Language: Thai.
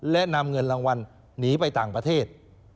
และนำเงินรางวัลหนีไปต่างประเทศ